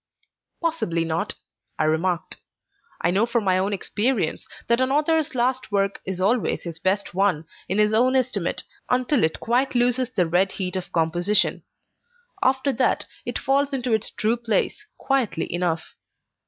"Possibly not," I remarked. "I know from my own experience, that an author's last work is always his best one, in his own estimate, until it quite loses the red heat of composition. After that, it falls into its true place, quietly enough.